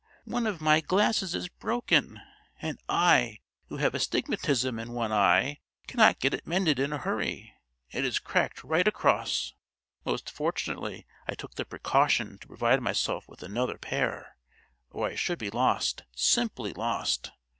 One of my glasses is broken, and I, who have astigmatism in one eye, cannot get it mended in a hurry. It is cracked right across. Most fortunately I took the precaution to provide myself with another pair, or I should be lost, simply lost.